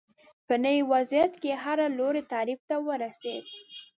په نوي وضعیت کې هر لوری تعریف ته ورسېد